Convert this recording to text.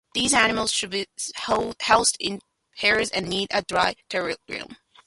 These animals should be housed in pairs and need a dry terrarium.